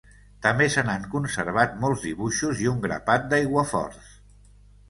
També se n'han conservat molts dibuixos i un grapat d'aiguaforts.